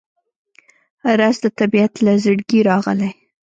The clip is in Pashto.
رس د طبیعت له زړګي راغلی